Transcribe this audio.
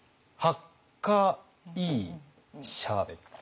ハッカいいシャーベット。